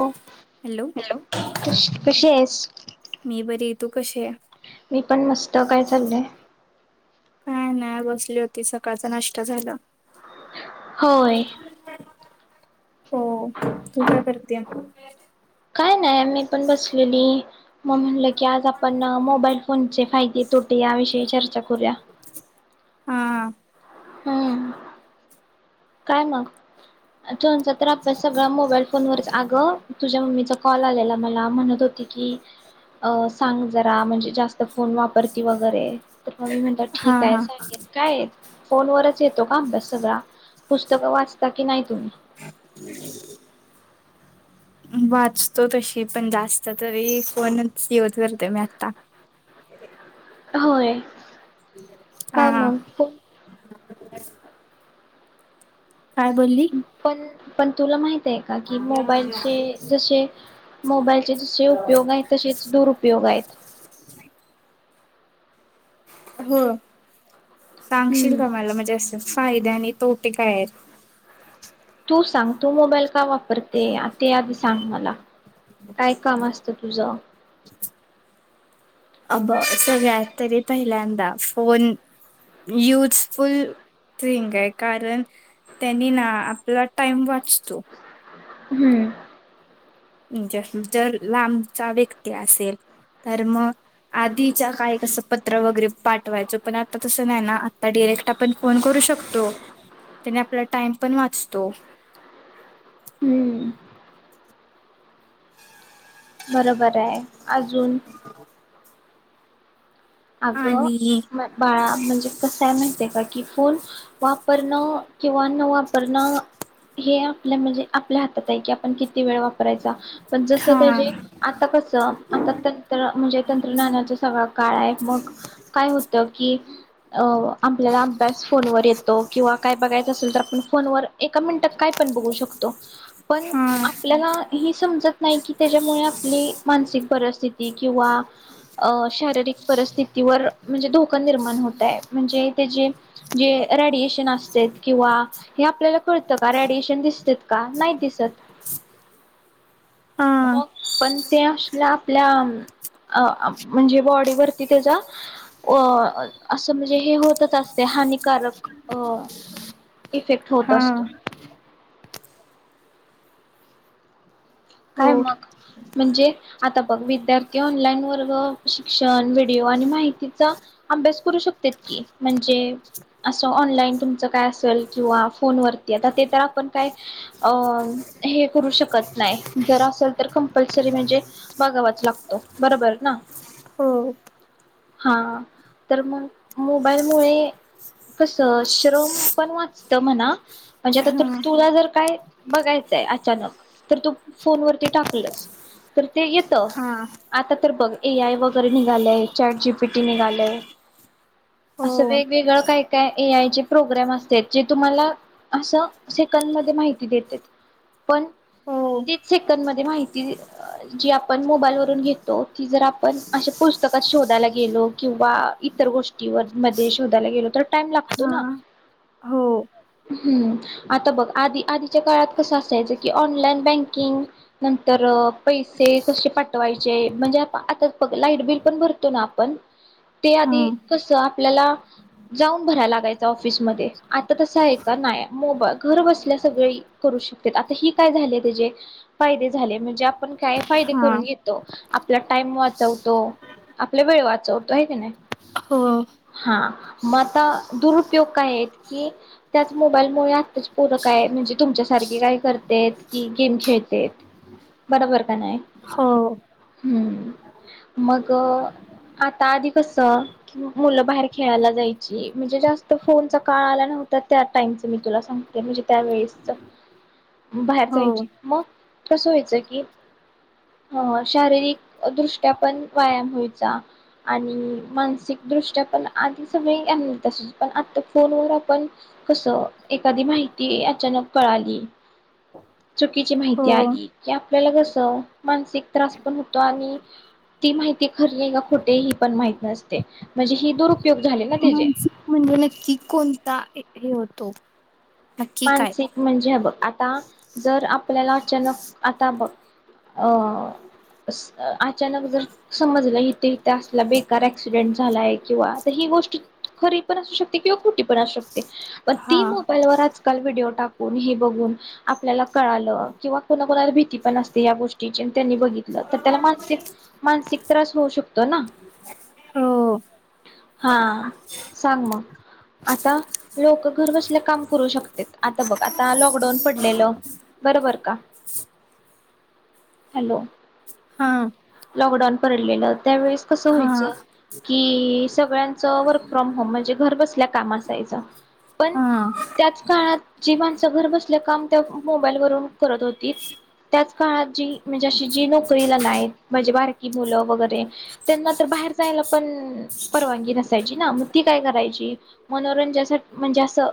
Hello कशी आहेस. [unintelligible] मी बरीये तू कशी आहेस? मी पण मस्त काय चाललंय. काय नाही बसली होती सकाळचा नाष्ट्ता झाला. हो होय. [unintelligible] हो तू काय करतेय? काय नाय मी पण बसलेली मग म्हटलं की आज आपण मोबाईल फोनचे फायदे तोटे या विषयी चर्चा करूया. हा हम्म काय मग [unintelligible] तर आपल्या सगळ्या मोबाईल फोनवरच आगं तुझ्या मम्मीचा कॉल आलेला मला म्हणत होती की अं सांग जरा म्हणजे जास्त फोन वापरती वगैरे तर मग मी म्हटलं हा ठीक आहे हा सांगेन काय हे? फोन वरच येतो का अभ्यास सगळां? पुस्तकं वाचता की नाही तुम्ही? वाचतो तशी पण जास्त तरी फोनच यूज करते मी आत्ता. होय. हा काय हा मग? फोन [unintelligible] काय बोलली? पण पण तुला माहिती. का की मोबाईलचे जसे मोबाईलचे जसे उपयोग आहेत तसेच दुरुपयोग आहेत. हो. सांगशील हम्म का मला म्हणजे असं. फायद्या आणि तोटे काय आहेत. तू सांग तू मोबाईल का वाप. पर ते ते या दिवसां आण मला. काय काम असतं तुझा. अ सगळ्यात तरी पहिल्यांदा फोन युजफुल थिंग आहे कारण त्यांनी ना आपला टाइम वाचतो. हम्म. ज जर लांबचा व्यक्ती असेल तर मग आधीच्या काय कसं पत्र वगैरे पाठवायचं पण आता तसं नाही ना आता डिरेक्ट आपण फोन करू शकतो त्याने आपला टाइम पण वाचतो. हम्म बरोबर. [unintelligible] अजून. अगं आणि बाळा म्हणजे कसय माहिती आहे का की फुल. वापरणं किंवा न वापरणं हे आपल्या म्हणजे आपल्या हातात आहे कि आपण किती वेळ वापरायचा. पण जस हा त्याजे आता कसं आता तंत्र म्हणजे तंत्रज्ञानाचा सगळा काळ आहे. मग काय होत की. अ आपल्याला अभ्यास फोनवर येतो किंवा काय बघायचं असेल तर आपण फोनवर एका मिनिटात काय पण बघू शकतो पण हा आपल्याला. हि समजत नाही की त्याच्यामुळे आपली मानसिक परिस्थिती किंवा अ शारीरिक. परिस्थितीवर म्हणजे धोका निर्माण होतय म्हणजे त्या ज जे रेडिएशन असते किंवा हे आपल्याला कळतं का रेडिएशन दिसत का नाही दिसत. हा मग पन. ते आसल आपल्या अमं अ म्हणजे बॉडीवर. ते त्याचा अ असं म्हणजे हे होतच असते हानिकारक अ इफेक्ट होत हा असतो. हो काय मग म्हणजे आता बघ विद्यार्थ्यां ऑनलाइन वर्ग शिक्षण व्हिडिओ आणि माहितीचा अभ्यास करू शकतात की म्हणजे असं ऑनलाईन तुमचं काय असेल किंवा फोनवरती आता ते त्याला पण काय अ करू शकत. नाही जर असेल तर कंपल्सरी म्हणजे बघावाच लागतो बरोबर ना हो हा तर मग मोबाईल मुळे कस श्रम पण वाचत म्हणा म्हणजे आता तर हा तुला जर काय बघायचंय अचानक. तर तू फोनवररती टाकलस तर ते येत हा आता तर बघ ए आय वगैरे निघालय चॅट जीपीटी निघालय असं हो वेगवेगळं काय काय ए आयचे प्रोग्राम असते जे तुम्हाला असं सेकड मध्ये माहिती देते पण. हो तीस सेकंद मधे माहिती अ जी आपण मोबाईल वरून घेतो पुस्तकात शोधायला गेलो किंवा इतर गोष्टी मध्ये शोधायला गेलो तर टाइम लागतो हा ना हो हमं आता बघ आध आधीच्या काळात कस असायचं की ऑनलाईन. बँकिंग नंतर पैसे कसे पाठवायचे म्हणजे आता लाईट बिल पण भरतो ना आपण ते हा आधी कसं आपल्याला जाऊन भरायला लागायच ऑफिसमध्येध्ये आता तसं आहे का नाही मोबा घर बसल्या सगळी करू शकते आता ही काय झालय. म्हणजे फायदे झाले म्हणजे आपण. काय फायदे हा करून येतो. आपला टाइम वाचवतो, आपला वेळ वाचवतो आहे की नाही. हा [unintelligible] मग आता दुरुपयोग काय आहेत की त्याच मोबाईलमुळे आत्ताच पोरं काय म्हणजे तुमच्यासारखे काय करते? की गेम खेळते बरोबर का नाही हो मग आता आधी कस मुलं बाहेर खेळायला जायची म्हणजे जास्त फोनचा काळ आला नव्हता त्या टाइमच मी तुला सांगते म्हणजे त्यावेळेस बाहेर. हो व्हायचं मग कसं व्हायचं की अ शारीरिक दृष्ट्या पण व्यायाम व्हायचा आणि मानसिक दृष्ट्या पण आधी सगळेाय पण आता फोन व आपण कसं एखादी माहिती अचानक कळाली. चुकीची माहिती हो आली की आपल्याला कस मानसिक त्रास पण होतो आणि ती माहिती खरी आहे का खोटे ही पण माहित नसते म्हणजे ही दुरुपयोग झाले ना. त्याचे मानसिक म्हणजे नक्की कोणता आहे. हे होतो. नक्की काय मानसिक म्हणजे बघ आता जर आप आपल्याला अचानक आता बघ अ स अचानक जर समजलं इथे इथे असला बेकार ऍक्सिडेंट झालाय किंवा तर ही गोष्ट खरी पण असू शकते किंवा खोटी पण असू शकते पण हा ती मोबाईलवर आज काल व्हिडिओ टाकून हे बघून आपल्याला कळालं किंवा कोणा कोणाला भीती पण असते या गोष्टीची त्यांनी बघितलं तर त्याला मानसिक मानसिक त्रास होऊ शकतो ना हो हा सांग मग आता लोक घर बसल्या काम करू शकता आता बघ आता लॉकडाऊन पडलेलं बरोबर का हॅलो हा लॉकडाऊन पडलेलं त्यावेळेस कसं हा व्हायचं कि सगळ्यांच वर्क फ्रॉम होम म्हणजे घर बसल्या काम असायचं पण हा त्याच काळात जी माणसं घर बसल्या काम त्या मोबाईल वरून करत होती त्याच काळात जी म्हणजे अशी जी नोकरीला नाहीत म्हणजे बारकी मुलं वगैरे त्यांना तर बाहेर जायला पण परवानगी नसायची ना मग ती काय करायची मनोरंजासाठी म्हणजे असं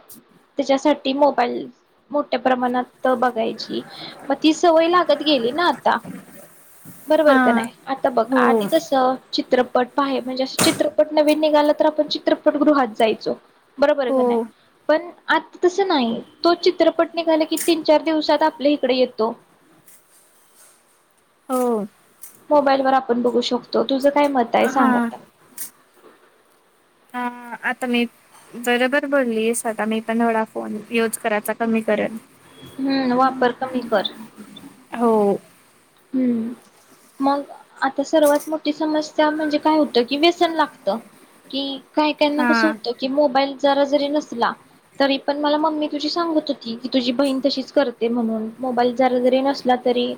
त्याच्यासाठी मोबाईल मोठ्या प्रमाणात बघायची मग ती सवय लागत गेली ना आता हा बरोबर का नाही आता बघ हो आधी कसं चित्रपट पा आहे म्हणजे असं चित्रपट नवीन निघाला तर आपण चित्रपट गृहात जायचो बरोबर हो का नाही पण आता तसं नाही तो चित्रपट निघाला की तीन चार दिवसात आपल्या इकडे येतो हो मोबाईल वर आपण बघू शकतो तुझं काय मत ताई हा सांग तया ह आता मी बरोबर बोलली आहेस आता मी पण थोडा फोन युज करायचा कमी करन हम्म वापर कमी कर हो हम् मग आता सर्वात मोठी समस्या म्हणजे काय होतं की व्यसन लागत कि काही काहीना हा कसं होतं कि मोबाईल जरा जरी नसला तरी पण मला मम्मी तुझी सांगत होती की तुझी बहीण तशीच करते म्हणून मोबाईल जरा जरी नसला तरी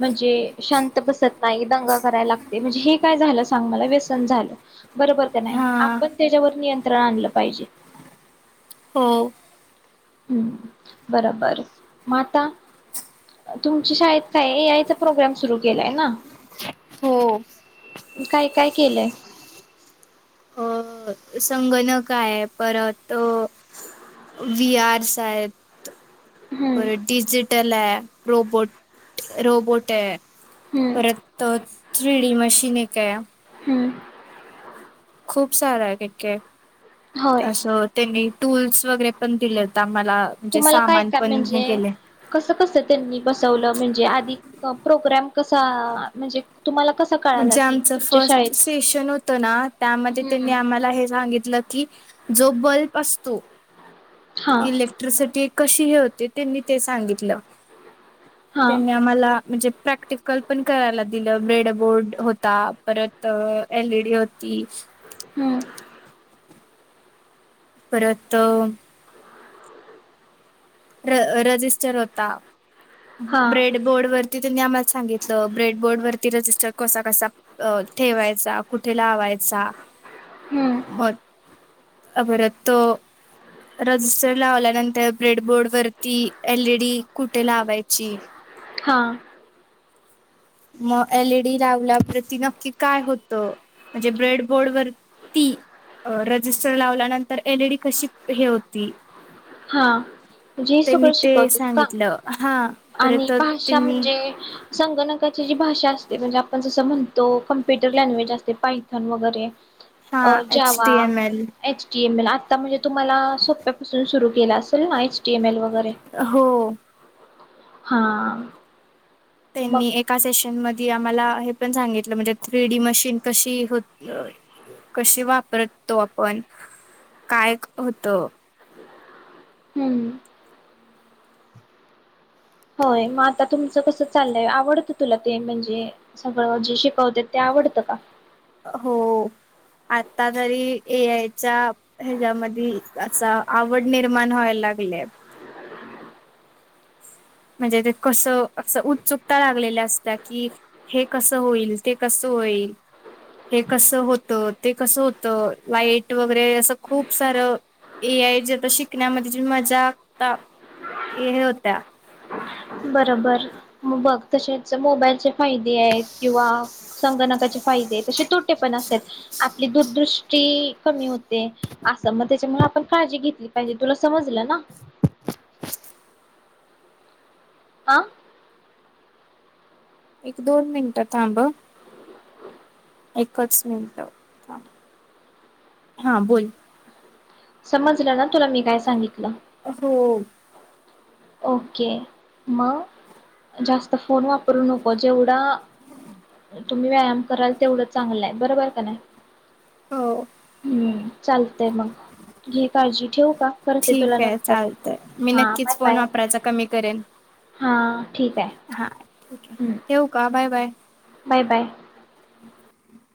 म्हणजे शांत बसत नाही दंगा करायला लागते म्हणजे हे काय झालं सांग मला व्यसन झालं बरोबर का नाही हा आपण त्याच्यावर नियंत्रण आणलं पाहिजे. हो हम् बरोबर मग आता तुमच्या शाळेत काय ए आयचा प्रोग्राम सुरू केलाय ना हो काय काय केलंय. अ संगणक आहे परत अ वी आरस आहेत. हम्म परत डीजिटल आहे. रोबोट रोबोट आहे हम्म. परतच रिडी मशीन एक आहे हम्म खूप सारा आहे केके खु होय असं त्यांनी टूल्स वगैरे पण दिले होता तुम्हाला काय काय म्हणजे कसं कसं त्यांनी बसवलं म्हणजे आधी प्रोग्राम कसा म्हणजे तुम्हाला कसा कळाला जे की आमचं तुमच्या शाळेत फर्स्ट सेशन होत ना त्यामध्ये त्यांनी हम्म आम्हाला हे सांगित न की जो बल्ब असतो हा इलेक्ट्रिसिटी कशी हे होते त्यांनी ते सांगितलं हा त्यांनी आम्हाला म्हणजे प्रॅक्टिकल पण करायला दिलं बेडबोर्ड होता परत एलईडी होती हम्म परत र रजिस्टर होता हा ब्रेडबोर्ड वर ते त्यांनी आम्हाला सांगितलं ब्रेडबोर्ड वरती रजिस्टर कसा कसा ठेवायचा कुठे लावायचा हम्म बल अ बर तो रजिस्टर लावल्यानंतर ब्रेडबोर्ड वरती एलईडी कुठे लावाय ची हा मग एलईडी लावल्यावरती नक्की काय होतं? म्हणजे ब्रेडबोर्ड वरती रजिस्टर लावल्यानंतर एलईडी कशी? हे होती. हा म्हणजे त्यांनी सगळं ते शिकवतेत का? सांगितलं हा आणि परत भाषा त्यांनी म्हणजे संगणक जी भाषा असते म्हणजे आपण जसं म्हणतो कॉम्प्युटर लँग्वेज असते पायथन वगैरे तस हा अ H Java, T M L एचकेएमल असं आता म्हणजे तुम्हाला सोप्यापासून सुरू केला असल ना एचटीएमएल वगैरे हो हा मग त्यांनी एका सेशन मधी आम्हाला हे पण सांगितलं म्हणजे थ्रीडी मशीन कशी? हो कशी वापरतो? आपण काय होतं? हम्म होय मग आता तुमचं कसं चाललंय? आवडतं तुला ते म्हणजे सगळं जे शिकवतेत ते आवडतं का? हो आता तरी ए आयच्या हेच्यामध्ये असा आवड निर्माण व्हायला लागल्या. म्हणजे ते कस असं उत्सुकता लागलेल्या असत्या की हे कसं होईल? ते कसं होईल? हे कसं होतं? ते कसं होतं? लाईट वगैरे असं खूप सारं ए आय जे आता शिकण्यामध्ये मजा हे होत्या. बरोबर बघ तसेच मोबाईलचे फायदे आहेत. किंवा संगणकाचे फायदे तसे तोटे पण असतात. आपली दूरदृष्टी कमी होते असं मग त्याच्यामुळे आपण काळजी घेतली पाहिजे, तुला समजलं ना? आं एक-दोन मिनिटं थांब हं. एकच मिनिटं थांब.. हा बोल. समजलं ना तुला? मी काय सांगितलं? हो ओके, मग जास्त फोन वापरू नको. जेवढा तुम्ही व्यायाम कराल तेवढं चांगलं आहे. बरोबर का नाही? हो हम्म, चालतंय मग घे काळजी. ठेवू का? करते तुला ठीक आहे नंतर. चालतंय मी हां बाय नक्कीच फोन बाय वापरायचा कमी करेन. हां ठीक आहे हां. ठीके, हं. ठेऊ का? Bye, bye. Bye, bye.